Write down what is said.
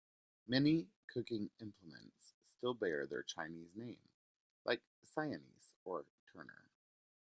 Many cooking implements still bear their Chinese name, like sianse or turner.